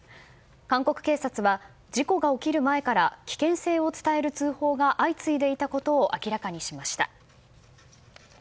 韓国警察は事故が起こる前から危険性を伝える通報が相次いでいたことを明らかにしました。